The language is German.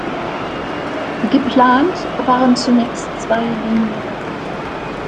Geplant waren zunächst zwei Linien.